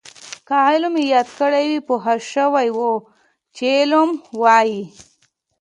که علم یاد کړی وی پوه شوي وو چې علم وايي.